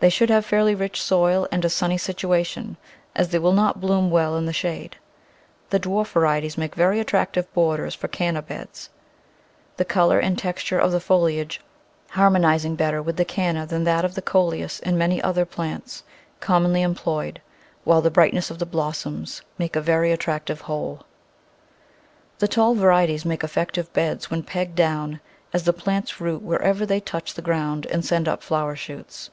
They should have fairly rich soil and a sunny situation, as they will not bloom well in the shade. The dwarf varieties make very attractive borders for Canna beds, the colour and texture of the foliage harmonising better with the Canna than that of the Coleus and many other plants commonly Digitized by Google Ten] annuals from &eet> >«■ employed, while the brightness of the blossoms makes a very attractive whole. The tall varieties make effective beds when pegged down, as the plants root wherever they touch the ground and send up flower shoots.